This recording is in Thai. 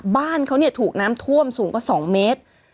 บ้านเขาถูกน้ำท่วมสูงกว่า๒เมตร